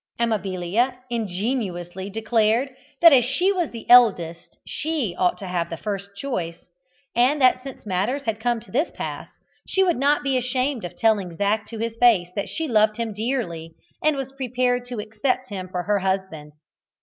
Amabilia ingenuously declared that as she was eldest she ought to have the first choice, and that since matters had come to this pass, she would not be ashamed of telling Zac to his face that she loved him dearly, and was prepared to accept him for her husband.